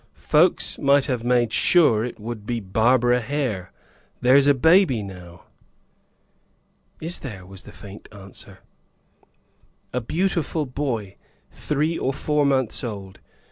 Folks might have made sure it would be Barbara Hare. There's a baby now." "Is there?" was the faint answer. "A beautiful boy three or four months old.